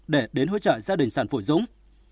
để đến hỗ trợ gia đình sản phụ dũng